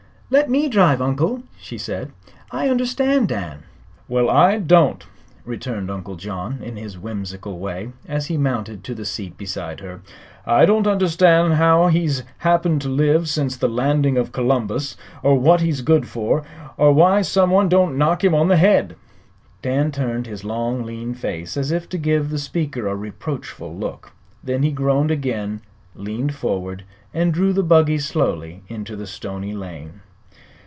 "Let me drive, Uncle," she said; "I understand Dan." "Well, I don't," returned Uncle John, in his whimsical way, as he mounted to the seat beside her. "I don't understand how he's happened to live since the landing of Columbus, or what he's good for, or why someone don't knock him on the head." Dan turned his long, lean face as if to give the speaker a reproachful look; then he groaned again, leaned forward, and drew the buggy slowly into the stony lane.